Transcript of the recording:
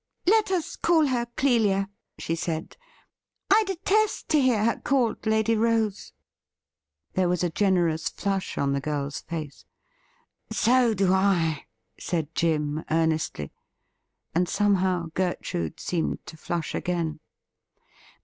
' Let us call her Clelia,' she said ;' I detest to hear her called Lady Rose.' There was a generous flush on the girl's face, ' So do I,' said Jim earnestly. And somehow Gertrude seemed to flush again.